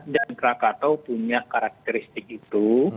dan rakatau punya karakteristik itu